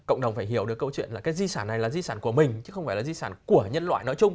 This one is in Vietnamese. cộng đồng phải hiểu được câu chuyện là cái di sản này là di sản của mình chứ không phải là di sản của nhân loại nói chung